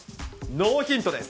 ノーヒントです。